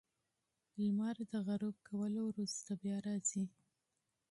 • لمر د غروب کولو وروسته بیا راځي.